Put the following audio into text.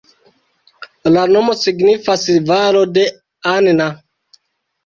La nomo signifas valo de Anna.